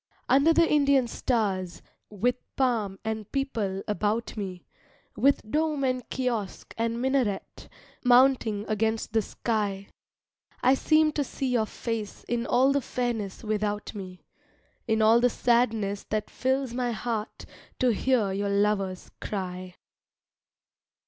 Under the Indian stars, With palm and peepul about me, With dome and kiosk and minaret Mounting against the sky, I seem to see your face In all the fairness without me; In all the sadness that fills my heart To hear your lover's cry.